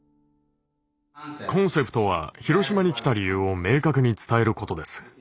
コンセプトは広島に来た理由を明確に伝えることです。